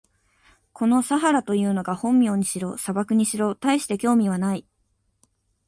このサハラというのが本名にしろ、砂漠にしろ、たいして興味はない。